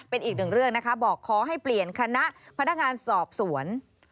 เป็นอีกหนึ่งเรื่องนะคะบอกขอให้เปลี่ยนคณะพนักงานสอบสวน